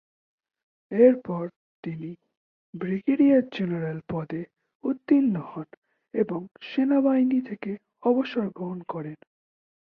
এরপর তিনি brigadier general পদে উন্নীত হন এবং সেনাবাহিনী থেকে অবসর গ্রহণ করেন।